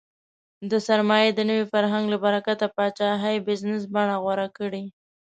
د سرمایې د نوي فرهنګ له برکته پاچاهۍ بزنس بڼه غوره کړې.